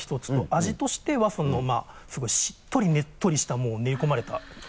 味としてはすごいしっとりねっとりしたもう練り込まれた生地で。